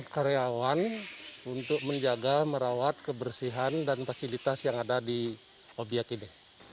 karyawan untuk menjaga merawat kebersihan dan fasilitas yang ada di obyek ini